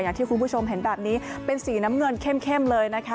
อย่างที่คุณผู้ชมเห็นแบบนี้เป็นสีน้ำเงินเข้มเลยนะคะ